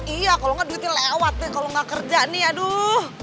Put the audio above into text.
iya kalau enggak duitnya lewat deh kalau enggak kerja nih aduh